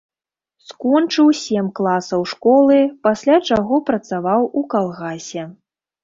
Скончыў сем класаў школы, пасля чаго працаваў у калгасе.